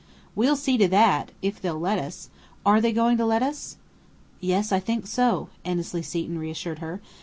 "We'll see to that! If they'll let us. Are they going to let us?" "Yes, I think so," Annesley Seton reassured her.